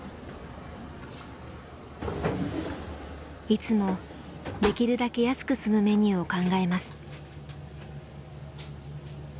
いつもできるだけ安く済むメニューを考えます。